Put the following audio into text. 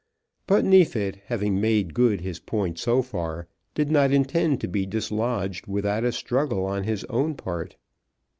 But Neefit, having made good his point so far, did not intend to be dislodged without a struggle on his own part.